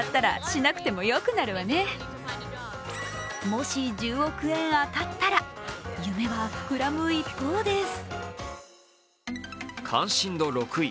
もし１０億円当たったら夢は膨らむ一方です。